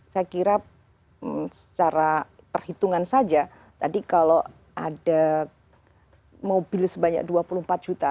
saya kira secara perhitungan saja tadi kalau ada mobil sebanyak dua puluh empat juta